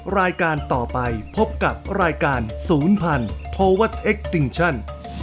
รายการต่อไปพบกับรายการศูนย์พันธวัดเอ็กติงชัน